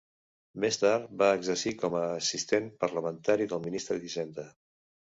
Més tard va exercir com a assistent parlamentari del ministre d'Hisenda.